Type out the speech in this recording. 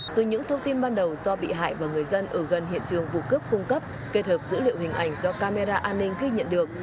từ những thông tin ban đầu do bị hại và người dân ở gần hiện trường vụ cướp cung cấp kết hợp dữ liệu hình ảnh do camera an ninh ghi nhận được